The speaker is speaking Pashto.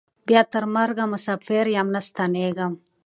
بیا تر مرګه مساپر یم نه ستنېږم